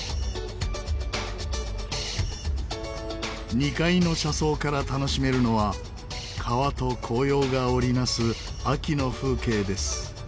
２階の車窓から楽しめるのは川と紅葉が織りなす秋の風景です。